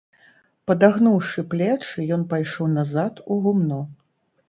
Падагнуўшы плечы, ён пайшоў назад у гумно.